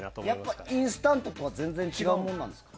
やっぱインスタントとは全然違うものなんですか？